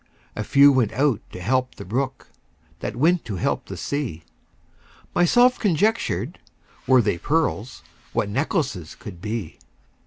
A few went out to help the brook, That went to help the sea. Myself conjectured, Were they pearls, What necklaces could be!